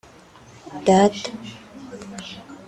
Data